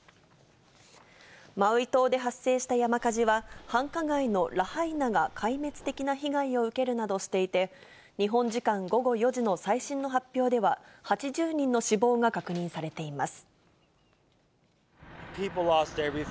マウイ島で発生した山火事は、繁華街のラハイナが壊滅的な被害を受けるなどしていて、日本時間午後４時の最新の発表では、８０人の死亡が確認されています。